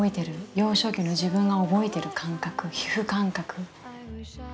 幼少期の自分が覚えている感覚皮膚感覚。